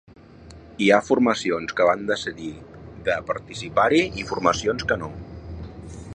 Hi ha formacions que van decidir de participar-hi i formacions que no.